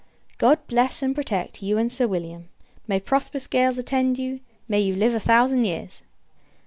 God bless, and protect, you and Sir William. May prosperous gales attend you! May you live a thousand years!